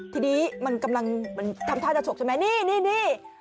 ทีนี้มันกำลังทำท่าจะฉกใช่ไหมนี่